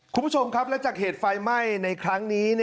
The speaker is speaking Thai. คุณผู้ชมครับและจากเหตุไฟไหม้ในครั้งนี้